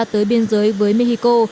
tới biên giới với mexico